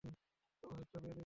তোমার একটা বিরতি দরকার।